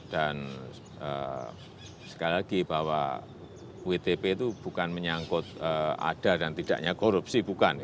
dan sekali lagi bahwa wtp itu bukan menyangkut ada dan tidaknya korupsi bukan